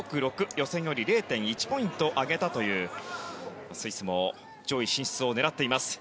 予選より０．１ポイント上げたというスイスも上位進出を狙っています。